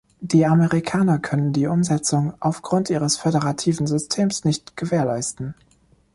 Die Amerikaner können die Umsetzung aufgrund ihres föderativen Systems nicht gewährleisten.